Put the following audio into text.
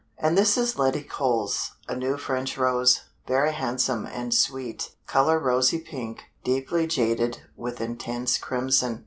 And this is Letty Coles, a new French rose, very handsome and sweet; color rosy pink, deeply shaded with intense crimson.